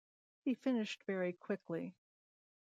He finished very quickly.